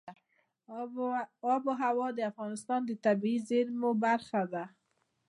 آب وهوا د افغانستان د طبیعي زیرمو برخه ده.